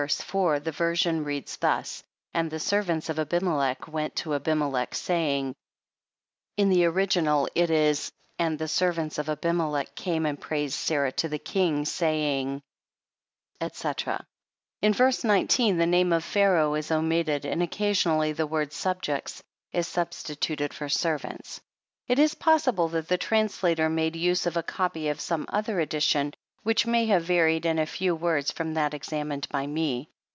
4, the version reads thus; " and the ser vants of Abimelech went to Abimelech, saying," in the original it is " and the servants of Abimelech came and praised Sarah to the king, saying, &c." In V. 19, the name of Pharaoh is omitted, and occasionally the word " subjects," is substituted for " servants." It is possible that the translator made use of a copy of some other edition which may have varied in a few words from that examined by me.